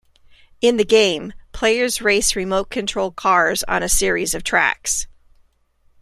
In the game, players race remote control cars on a series of tracks.